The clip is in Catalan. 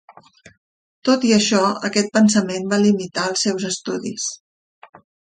Tot i això, aquest pensament va limitar els seus estudis.